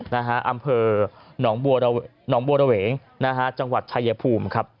อำเภอหนองบัวระเหวงจังหวัดชายภูมิครับ